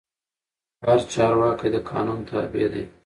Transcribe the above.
هر چارواکی د قانون تابع دی